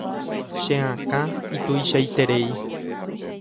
Che akã ituichaiterei.